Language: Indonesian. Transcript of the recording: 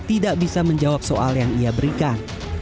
tidak bisa menjawab soal yang ia berikan